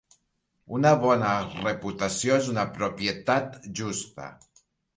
Una bona reputació és una propietat justa.